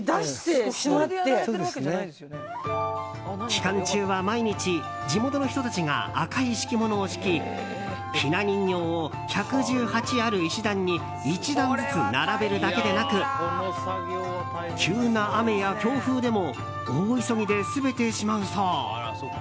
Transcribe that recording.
期間中は毎日、地元の人たちが赤い敷物を敷きひな人形を１１８ある石段に１段ずつ並べるだけでなく急な雨や強風でも、大急ぎで全てしまうそう。